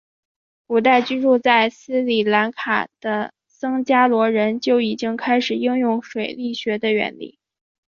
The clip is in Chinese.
古代居住在斯里兰卡的僧伽罗人就已经开始应用水力学的原理。